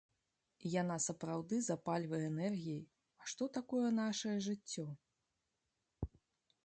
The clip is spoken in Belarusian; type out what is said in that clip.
Яна сапраўды запальвае энергіяй, а што такое нашае жыццё?